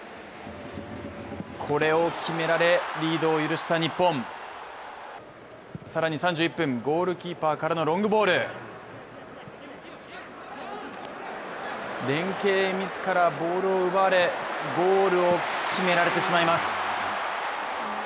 これを決められ、リードを許した日本さらに３０分ゴールキーパーからのロングボール連係ミスからボールを奪われ、ゴールを決められてしまいます。